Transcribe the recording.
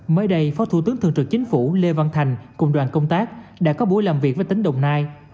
mới đây phó thủ tướng thường trực chính phủ lê văn thành cùng đoàn công tác đã có buổi làm việc với tỉnh đồng nai